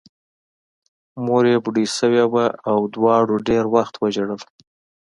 مور یې بوډۍ شوې وه او دواړو ډېر وخت وژړل